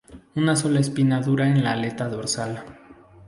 Una sola espina dura en la aleta dorsal.